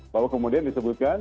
bahwa kemudian disebutkan